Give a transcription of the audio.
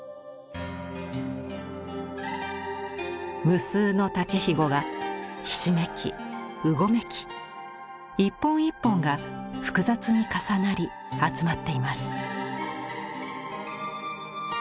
無数の竹ひごがひしめきうごめき一本一本が複雑に重なり集まっています。